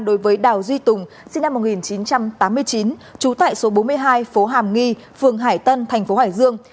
đối với đào duy tùng sinh năm một nghìn chín trăm tám mươi chín trú tại số bốn mươi hai phố hàm nghi phường hải tân thành phố hải dương